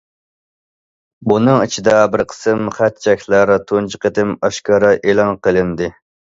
بۇنىڭ ئىچىدە بىر قىسىم خەت- چەكلەر تۇنجى قېتىم ئاشكارا ئېلان قىلىندى.